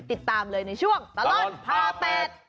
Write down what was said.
ติดตามเลยในช่วงตลอดภาพ๘